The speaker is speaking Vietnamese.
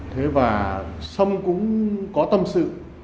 thế và xâm cũng có tâm sự